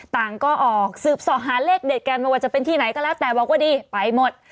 ต่างก็ออกสืบส่อหาเลขเด็ดกันไม่ว่าจะเป็นที่ไหนก็แล้วแต่บอกว่าดีไปหมด